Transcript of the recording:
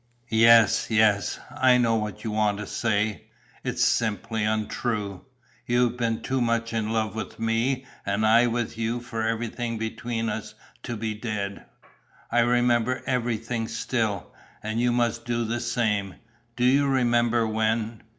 Yes, yes, I know what you want to say. It's simply untrue. You have been too much in love with me and I with you for everything between us to be dead. I remember everything still. And you must do the same. Do you remember when...?"